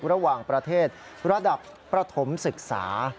ระหว่างประเทศระดับประถมศึกษา